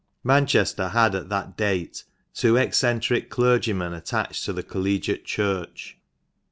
Q ANCHESTER had at that date two eccentric clergymen attached to the Collegiate Church.